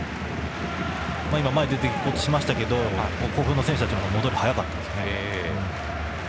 今、前に出ようとしましたが甲府の選手たちのほうが戻りが早かったですね。